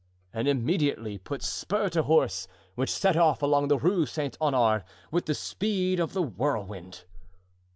and immediately put spur to horse, which set off along the Rue Saint Honore with the speed of the whirlwind.